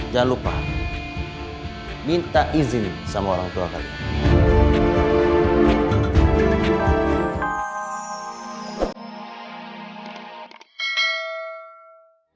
jangan lupa minta izin sama orang tua kalian